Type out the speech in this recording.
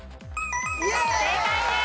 正解です。